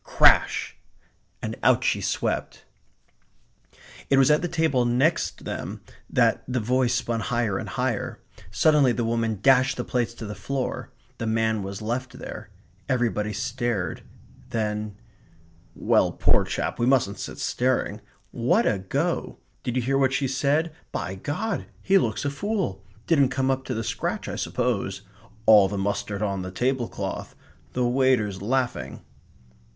Crash! And out she swept. It was at the table next them that the voice spun higher and higher. Suddenly the woman dashed the plates to the floor. The man was left there. Everybody stared. Then "Well, poor chap, we mustn't sit staring. What a go! Did you hear what she said? By God, he looks a fool! Didn't come up to the scratch, I suppose. All the mustard on the tablecloth. The waiters laughing."